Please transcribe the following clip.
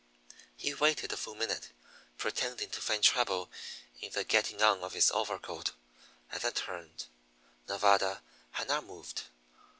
He waited a full minute, pretending to find trouble in the getting on of his overcoat, and then turned. Nevada had not moved.